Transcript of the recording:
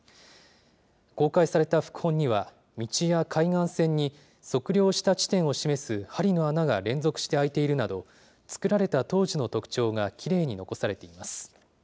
公開された副本には、道や海岸線に、測量した地点を示す針の穴が連続して開いているなど、作られた当時の特徴がきれいに残されています。